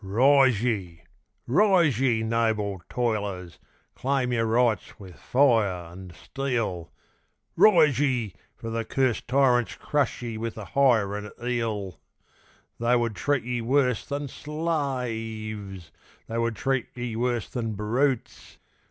rise ye! noble toilers! claim your rights with fire and steel! Rise ye! for the cursed tyrants crush ye with the hiron 'eel! They would treat ye worse than sl a a ves! they would treat ye worse than brutes!